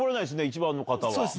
１番の方は。